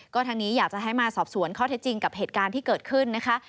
ก็ทางนี้อยากจะให้มาสอบสวนข้อเท็จจริงกับเหตุการณ์ที่เกิดขึ้นนะคะ